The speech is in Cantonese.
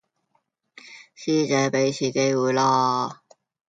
師姐,畀次機會啦